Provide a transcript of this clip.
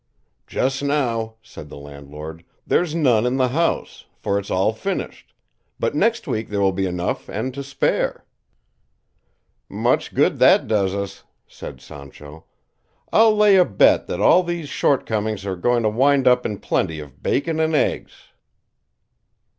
"Just now," said the landlord, "there's none in the house, for it's all finished; but next week there will be enough and to spare." "Much good that does us," said Sancho; "I'll lay a bet that all these short comings are going to wind up in plenty of bacon and eggs."